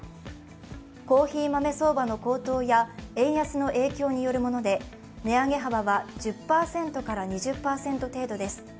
コーヒー豆相場の高騰や円安の影響によるもので値上げ幅は１０％から２０％程度です。